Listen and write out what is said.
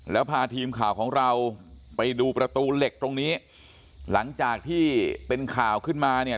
แล้วพาทีมข่าวของเราไปดูประตูเหล็กตรงนี้หลังจากที่เป็นข่าวขึ้นมาเนี่ย